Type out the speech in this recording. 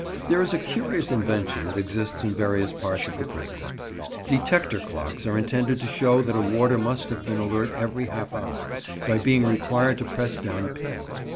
There is a curious invention that exists in various parts of the prison. Detector clocks are intended to show that a warder must have been alert every half hour, by being required to press down a pin.